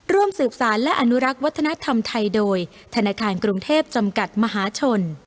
ร่วมสืบสารและอนุรักษ์วัฒนธรรมไทยโดยธนาคารกรุงเทพจำกัดมหาชน